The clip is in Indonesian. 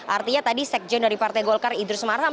artinya tadi sekjen dari partai golkar idrus marham